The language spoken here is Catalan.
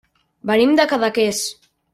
Venim de Cadaqués.